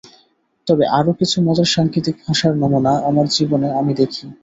তবে আরও কিছু মজার সাংকেতিক ভাষার নমুনা আমার জীবনে আমি দেখি।